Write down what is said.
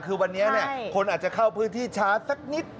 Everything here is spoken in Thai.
คือวันนี้คนอาจจะเข้าพื้นที่ช้าสักนิด